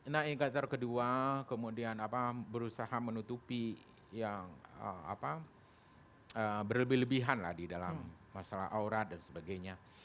nah indikator kedua kemudian berusaha menutupi yang berlebih lebihan lah di dalam masalah aurat dan sebagainya